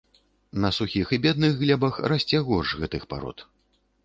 На сухіх і бедных глебах расце горш гэтых парод.